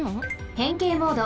へんけいモード。